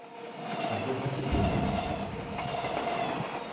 তাদের হাতে বন্দুক!